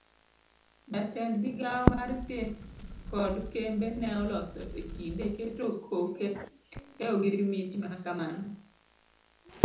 Jatend migawo mar theth kod kembe ne oloso ekinde keto koke e ogirimiti makamano.